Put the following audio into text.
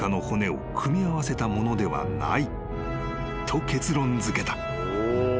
［こう結論づけた］